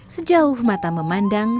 sejauh mata memandang